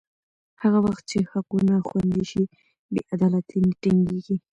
هغه وخت چې حقونه خوندي شي، بې عدالتي نه ټینګېږي.